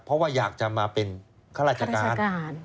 เพราะว่าอยากจะมาเป็นข้าราชการ